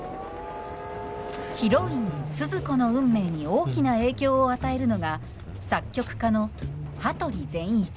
ヒロインスズ子の運命に大きな影響を与えるのが作曲家の羽鳥善一。